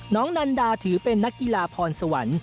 นันดาถือเป็นนักกีฬาพรสวรรค์